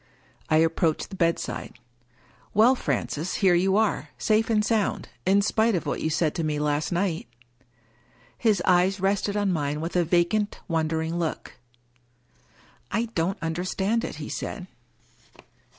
I approached the bedside. " Well, Francis, here you are, safe and sound, in spite of what you said to me last night" His eyes rested on mine with a vacant, wondering look. " I don't understand it," he said.